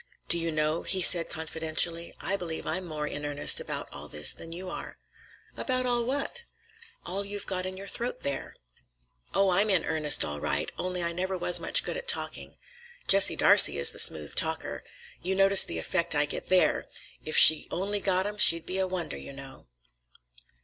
"Do you know," he said confidentially, "I believe I'm more in earnest about all this than you are." "About all what?" "All you've got in your throat there." "Oh! I'm in earnest all right; only I never was much good at talking. Jessie Darcey is the smooth talker. 'You notice the effect I get there—' If she only got 'em, she'd be a wonder, you know!"